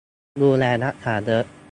- ดูแลรักษาเยอะ